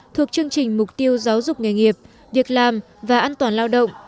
thuộc chương trình mục tiêu giáo dục nghề nghiệp việc làm và an toàn lao động